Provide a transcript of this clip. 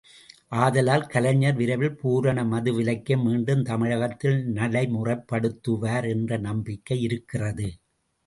ஆதலால் கலைஞர் விரைவில் பூரண மதுவிலக்கை மீண்டும் தமிழகத்தில் நடைமுறைப்படுத்துவார் என்ற நம்பிக்கை இருக்கிறது.